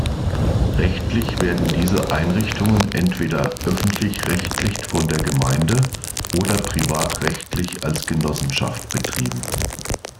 Rechtlich werden diese Einrichtungen entweder öffentlich-rechtlich von der Gemeinde oder privatrechtlich als Genossenschaft betrieben.